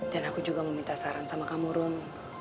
dan aku juga mau minta saran sama kamu rum